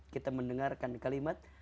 kita mendengarkan kalimat